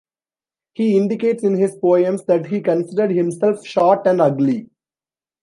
He indicates in his poems that he considered himself short and ugly.